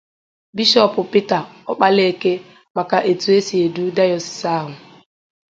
Bishọọpụ Peter Ọkpalaeke maka etu o si edu dayọsiisi ahụ